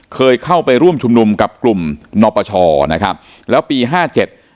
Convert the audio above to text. เคยเข้าไปร่วมชุมนุมกับกลุ่มนปชนะครับแล้วปีห้าเจ็ด